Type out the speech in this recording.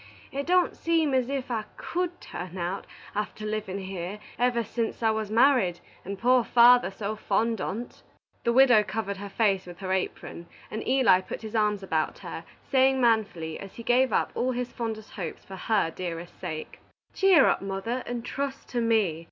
It don't seem as if I could turn out, after livin' here ever sense I was married, and poor father so fond on't." The widow covered her face with her apron, and Eli put his arms about her, saying manfully, as he gave up all his fondest hopes for her dearer sake "Cheer up, mother, and trust to me.